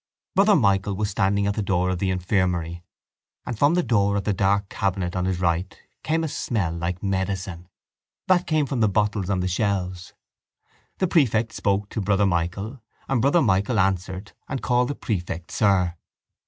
Brother Michael was standing at the door of the infirmary and from the door of the dark cabinet on his right came a smell like medicine. That came from the bottles on the shelves. The prefect spoke to Brother Michael and Brother Michael answered and called the prefect sir.